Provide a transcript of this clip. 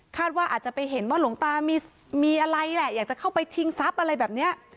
ว่าอาจจะไปเห็นว่าหลวงตามีอะไรแหละอยากจะเข้าไปชิงทรัพย์อะไรแบบนี้